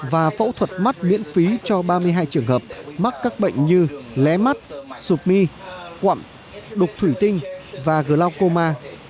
và phẫu thuật mắt miễn phí cho ba mươi hai trường hợp mắc các bệnh như lé mắt sụp my quặm đục thủy tinh và glacoma